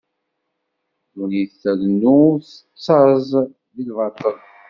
Ddunit trennu ur tettaẓ di lbaṭel.